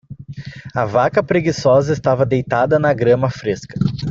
A vaca preguiçosa estava deitada na grama fresca.